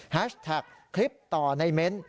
แฮชแท็กคลิปต่อในเม้น